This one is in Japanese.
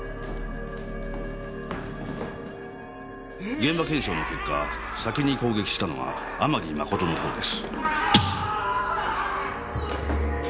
現場検証の結果先に攻撃したのは天城真のほうです。